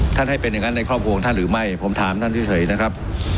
ให้เป็นอย่างนั้นในครอบครัวของท่านหรือไม่ผมถามท่านเฉยนะครับ